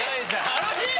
楽しい！